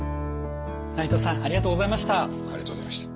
内藤さんありがとうございました。